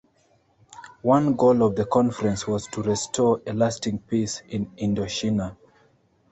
One goal of the conference was to restore a lasting peace in Indochina.